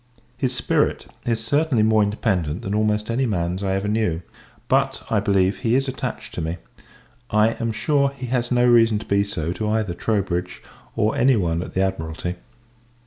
His spirit is certainly more independent than almost any man's I ever knew; but, I believe, he is attached to me. I am sure, he has no reason to be so, to either Troubridge or any one at the Admiralty.